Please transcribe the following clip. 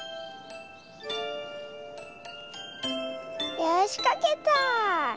よしかけた！